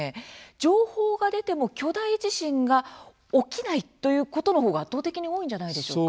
情報が出ても巨大地震が起きないということの方が、圧倒的に多いんじゃないでしょうか。